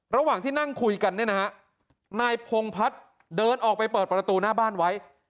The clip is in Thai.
ระหว่างที่นั่งคุยกันเนี่ยนะฮะนายพงพัฒน์เดินออกไปเปิดประตูหน้าบ้านไว้